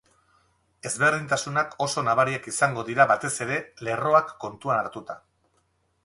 Ezberdinatsunak oso nabariak izango dira batez ere, lerroak kontuan hartuta.